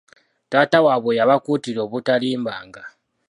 Taata waabwe yabakuutira obutalimbanga.